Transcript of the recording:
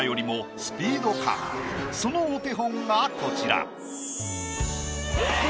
そのお手本がこちら。